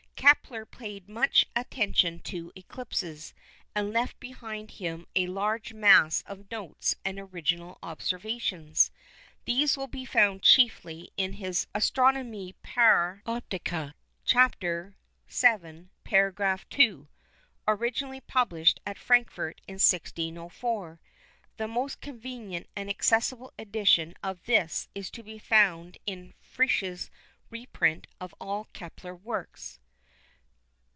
Kepler paid much attention to eclipses, and left behind him a large mass of notes and original observations. These will be found chiefly in his Astronomiæ Pars Optica, c. vii. § 2, originally published at Frankfurt in 1604. The most convenient and accessible edition of this is to be found in Frisch's reprint of all Kepler's works.